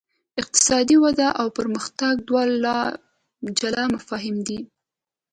اقتصادي وده او پرمختګ دوه جلا مفاهیم دي.